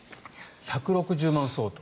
１６０万円相当。